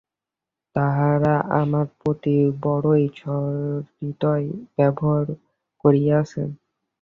তাঁহারা আমার প্রতি বড়ই সদয় ব্যবহার করিয়াছেন।